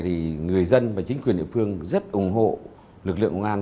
thì người dân và chính quyền địa phương rất ủng hộ lực lượng công an